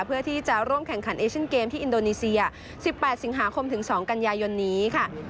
เพื่อที่จะร่วมแข่งขันเอเชียนเกมที่อินโดนีเซีย๑๘สิงหาคมถึง๒กันยายนนี้ค่ะ